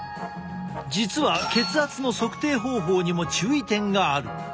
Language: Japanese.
実は血圧の測定方法にも注意点がある。